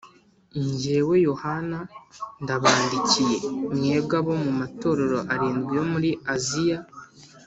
Jyewe Yohana, ndabandikiye mwebwe abo mu matorero arindwi yo muri Asiya.